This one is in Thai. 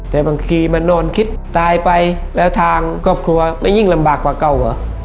แต่บางทีมานอนคิดตายไปแล้วทางครอบครัวไม่ยิ่งลำบากกว่าเก่าเหรอ